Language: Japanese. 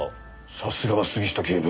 さすがは杉下警部。